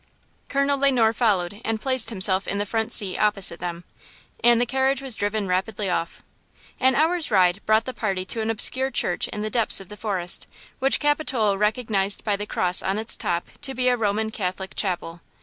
Colonel Le Noir followed and placed himself in the front seat opposite them. And the carriage was driven rapidly off. An hour's ride brought the party to an obscure church in the depths of the forest, which Capitola recognized by the cross on its top to be a Roman Catholic chapel.